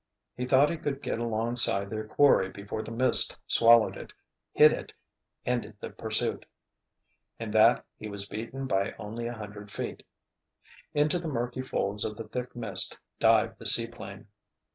He thought he could get alongside their quarry before the mist swallowed it, hid it, ended the pursuit. In that he was beaten by only a hundred feet. Into the murky folds of the thick mist dived the seaplane.